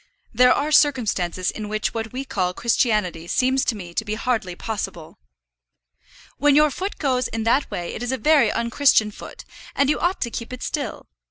"There are circumstances in which what we call Christianity seems to me to be hardly possible." "When your foot goes in that way it is a very unchristian foot, and you ought to keep it still.